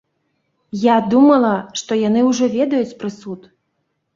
Я думала, што яны ўжо ведаюць прысуд.